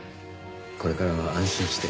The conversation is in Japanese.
これからは安心して。